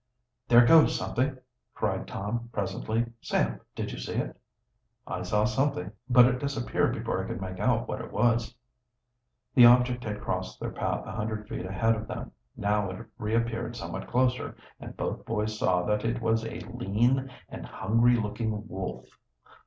"There goes something!" cried Tom presently. "Sam, did you see it?" "I saw something, but it disappeared before I could make out what it was." The object had crossed their path a hundred feet ahead of them. Now it reappeared somewhat closer, and both boys saw that it was a lean and hungry looking wolf.